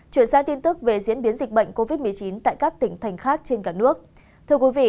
chuyển sang tin tức về diễn biến dịch bệnh covid một mươi chín tại các tỉnh thành khác trên cả nước